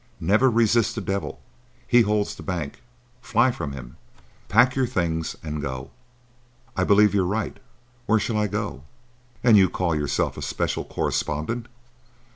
Never resist the devil. He holds the bank. Fly from him. Pack your things and go." "I believe you're right. Where shall I go?" "And you call yourself a special correspondent!